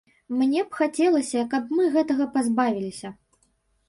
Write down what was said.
Мне б хацелася, каб мы гэтага пазбавіліся.